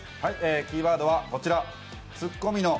キーワードはこちら。